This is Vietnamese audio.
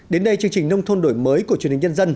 đến đây chương trình nông thôn đổi mới của truyền hình nhân dân